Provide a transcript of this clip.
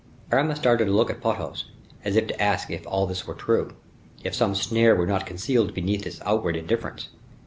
Aramis darted a look at Porthos, as if to ask if all this were true, if some snare were not concealed beneath this outward indifference.